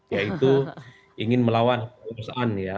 yaitu ingin melawan kekuasaan ya